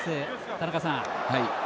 田中さん。